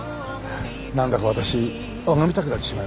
なんだか私拝みたくなってしまいました。